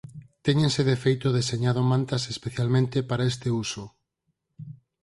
Téñense de feito deseñado mantas especialmente para este uso.